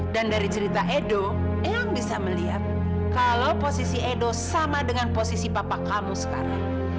dari cerita edo yang bisa melihat kalau posisi edo sama dengan posisi papa kamu sekarang